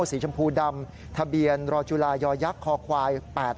สีชมพูดำทะเบียนรอจุลายอยักษ์คอควาย๘๘